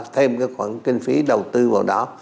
thêm cái khoản kinh phí đầu tư vào đó